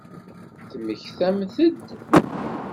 Temmektamt-d?